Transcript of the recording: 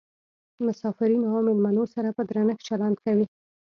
مسافرینو او میلمنو سره په درنښت چلند کوي.